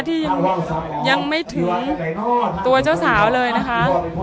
ที่ยังไม่ถึงตัวเจ้าสาวเลยนะคะ